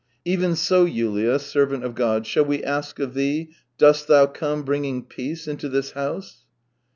Even so. Yulia, servant of God. shall we ask of thee, Dost thou come bringing peace into this house